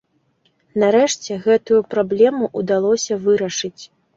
Нарэшце гэтую праблему ўдалося вырашыць.